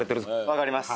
分かります